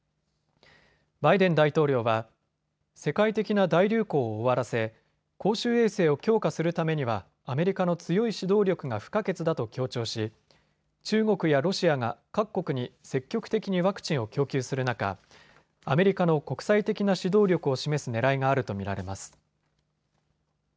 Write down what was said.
バイデン大統領は世界的な大流行を終わらせ公衆衛生を強化するためにはアメリカの強い指導力が不可欠だと強調し中国やロシアが各国に積極的にワクチンを供給する中、アメリカの国際的な指導力を示すねらいがあると見られます。